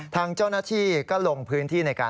ทางเจ้าหน้าที่ก็ลงพื้นที่ในการ